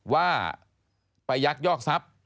ว่าไปยักยอกทรัพย์